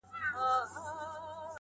هغه ويل د هغه غره لمن کي!